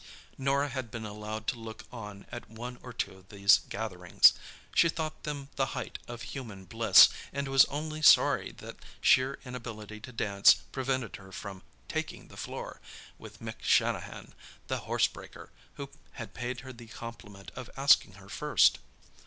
Norah had been allowed to look on at one or two of these gatherings. She thought them the height of human bliss, and was only sorry that sheer inability to dance prevented her from "taking the floor" with Mick Shanahan, the horse breaker, who had paid her the compliment of asking her first.